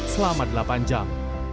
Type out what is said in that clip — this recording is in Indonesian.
selama delapan jam